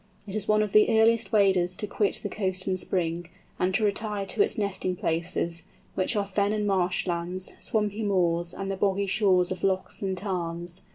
It is one of the earliest waders to quit the coast in spring, and to retire to its nesting places, which are fen and marsh lands, swampy moors, and the boggy shores of lochs and tarns.